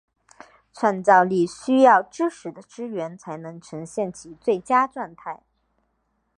创造力需要知识的支援才能呈现其最佳状态。